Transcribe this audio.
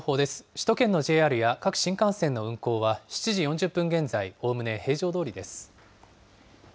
首都圏のＪＲや各新幹線の運行は、７時４０分現在、おおむね平常どおりです。